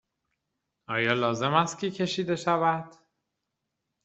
آیا لازم است که کشیده شود؟